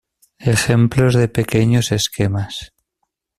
Ejemplos de pequeños esquemas.